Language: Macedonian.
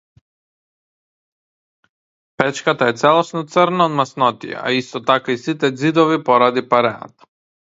Печката е целосно црна од маснотија, а исто така и сите ѕидови поради пареата.